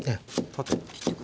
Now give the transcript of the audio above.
縦に切ってく。